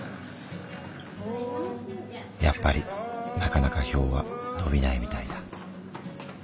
やっぱりなかなか票は伸びないみたいだ。